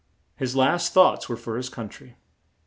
His last thoughts were for his coun try.